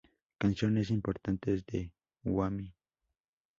Canciones importantes de Wham!